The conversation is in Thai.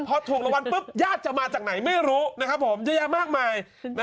พอถูกรางวัลปุ๊บญาติจะมาจากไหนไม่รู้นะครับผมเยอะแยะมากมาย